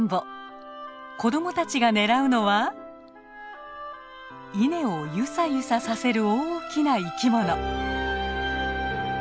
子供たちが狙うのは稲をゆさゆささせる大きな生き物。